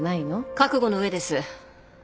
覚悟の上です。